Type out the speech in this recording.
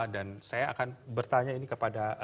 saya akan bertanya ini kepada